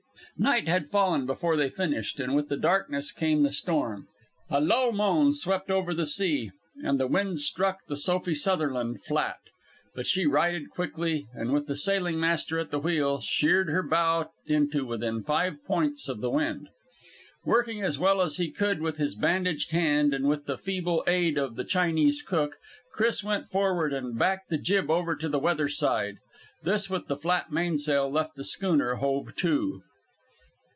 Night had fallen before they finished, and with the darkness came the storm. A low moan swept over the sea, and the wind struck the Sophie Sutherland flat. But she righted quickly, and with the sailing master at the wheel, sheered her bow into within five points of the wind. Working as well as he could with his bandaged hand, and with the feeble aid of the Chinese cook, Chris went forward and backed the jib over to the weather side. This with the flat mainsail, left the schooner hove to.